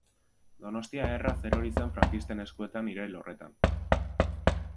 Donostia erraz erori zen frankisten eskuetan irail horretan.